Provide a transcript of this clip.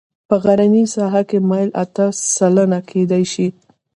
په غرنۍ ساحه کې میل اته سلنه کیدی شي